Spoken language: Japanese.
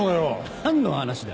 何の話だ？